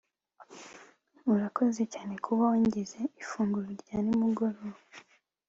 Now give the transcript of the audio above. urakoze cyane kuba wangize ifunguro rya nimugoroba